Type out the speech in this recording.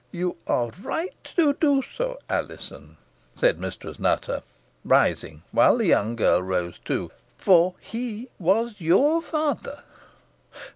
"You are right to do so, Alizon," said Mistress Nutter, rising, while the young girl rose too; "for he was your father."